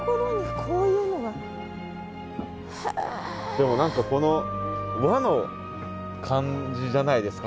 でも何かこの和の感じじゃないですか